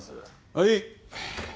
はい。